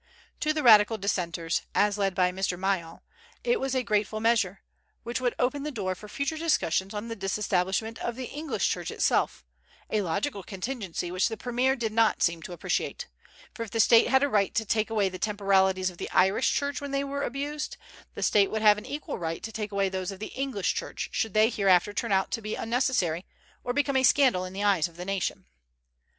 To the radical Dissenters, as led by Mr. Miall, it was a grateful measure, which would open the door for future discussions on the disestablishment of the English Church itself, a logical contingency which the premier did not seem to appreciate; for if the State had a right to take away the temporalities of the Irish Church when they were abused, the State would have an equal right to take away those of the English Church should they hereafter turn out to be unnecessary, or become a scandal in the eyes of the nation.